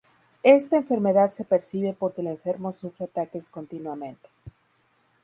Esta enfermedad se percibe porque el enfermo sufre ataques continuamente.